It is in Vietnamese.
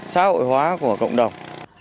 xã hội hóa của cộng đồng